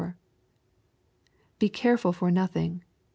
Be careful for nothing."